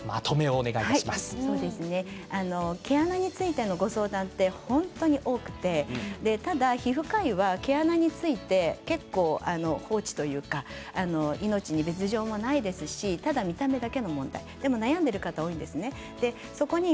毛穴についてのご相談は本当に多くてただ皮膚科医は毛穴について結構、放置というか命に別状もないですし見た目だけの問題、でも悩んでいる方多いんですね。